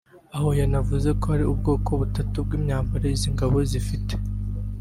aho yanavuze ko hari ubwoko butatu bw’imyambaro izi ngabo zifite